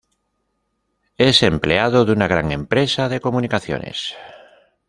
Es empleado de una gran empresa de comunicaciones.